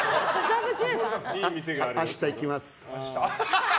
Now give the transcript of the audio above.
明日行きます。